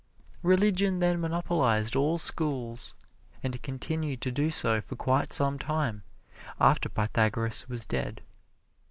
Religion then monopolized all schools and continued to do so for quite some time after Pythagoras was dead.